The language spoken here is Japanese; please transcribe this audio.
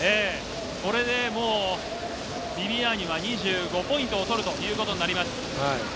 これでもう、ビビアーニが２５ポイントを取るということになります。